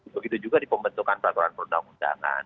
begitu juga di pembentukan peraturan perundang undangan